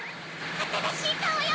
あたらしいカオよ！